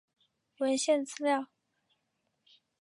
文献资料